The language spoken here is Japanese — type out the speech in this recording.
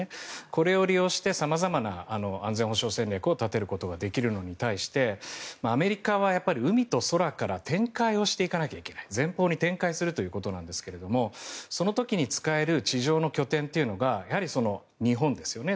これを利用して様々な安全保障戦略を立てることができるのに対してアメリカは海と空から展開していかなきゃいけない前方に展開するということなんですがその時に使える地上の拠点というのが日本ですよね。